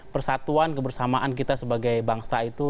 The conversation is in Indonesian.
persatuan kebersamaan kita sebagai bangsa itu